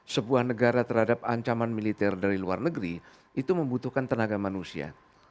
sebuah negara terhadap ancaman militer dari luar negeri itu membutuhkan tenaga manusia